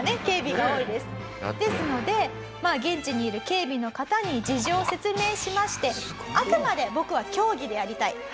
ですので現地にいる警備の方に事情を説明しましてあくまで僕は競技でやりたい。